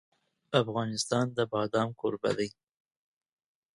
افغانستان د بادام کوربه دی.